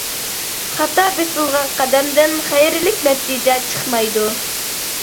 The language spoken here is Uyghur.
خاتا بېسىلغان قەدەمدىن خەيرلىك نەتىجە چىقمايدۇ.